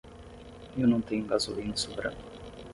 Eu não tenho gasolina sobrando.